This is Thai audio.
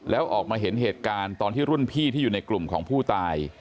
แล้วออกมาเห็นเหตุการณ์ตอนที่รุ่นพี่ที่อยู่ในกลุ่มของผู้ตาย